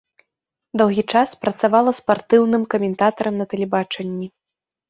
Доўгі час працавала спартыўным каментатарам на тэлебачанні.